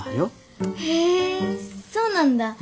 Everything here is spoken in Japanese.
へえそうなんだ。